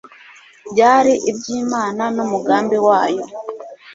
byari iby Imana n'umugambi wayo